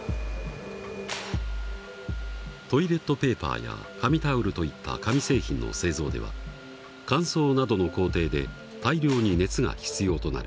トイレットペーパーや紙タオルといった紙製品の製造では乾燥などの工程で大量に熱が必要となる。